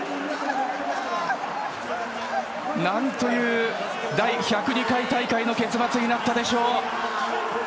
なんという第１０２回大会の結末になったでしょう。